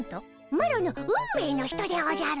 マロの運命の人でおじゃる。